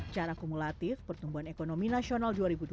cara kumulatif pertumbuhan ekonomi nasional dua ribu dua puluh